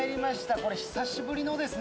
これ久しぶりのですね